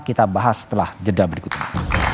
kita bahas setelah jeda berikutnya